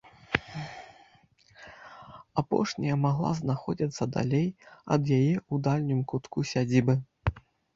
Апошняя магла знаходзіцца далей ад яе ў дальнім кутку сядзібы.